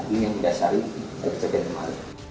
ini yang dasar ini saya bisa jelaskan kembali